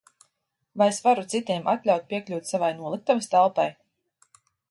Vai es varu citiem atļaut piekļūt savai noliktavas telpai?